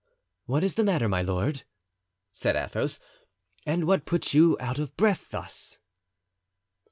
"What is the matter, my lord?" said Athos, "and what puts you out of breath thus?"